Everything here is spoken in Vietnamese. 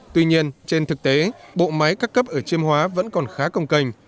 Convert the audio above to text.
tuy nhiên trên thực tế bộ máy các cấp ở chiêm hóa vẫn còn khá công cành